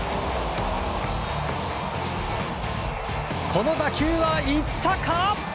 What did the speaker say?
この打球は、いったか？